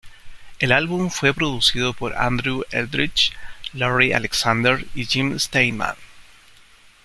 El álbum fue producido por Andrew Eldritch, Larry Alexander y Jim Steinman.